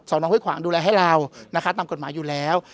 น้องห้วยขวางดูแลให้เรานะคะตามกฎหมายอยู่แล้ว